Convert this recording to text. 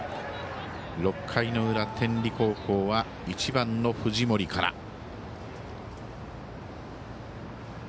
６回の裏、天理高校は１番の藤森から。